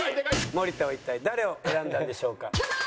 森田は一体誰を選んだんでしょうか？